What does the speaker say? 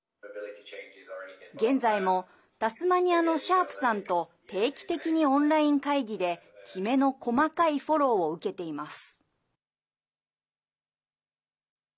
現在もタスマニアのシャープさんと定期的にオンライン会議できめの細かいフォローを受けています。